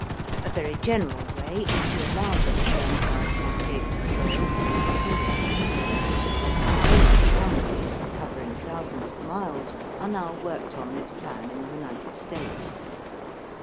A very general way is to allow the return current to escape to the rails through the wheels. Many tramways, covering thousands of miles, are now worked on this plan in the United States.